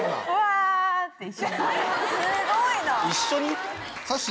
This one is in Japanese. すごいな！